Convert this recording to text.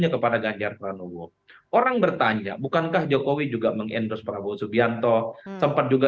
kepada ganjar pranowo orang bertanya bukankah jokowi juga mengendorse prabowo subianto sempat juga